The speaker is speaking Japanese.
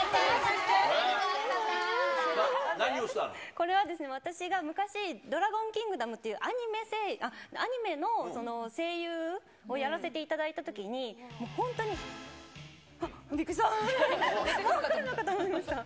これはですね、私が昔、ドラゴンキングダムというアニメの声優をやらせていただいたときに、本当に、あっ、びっくりした、もう出てくるのかと思いました。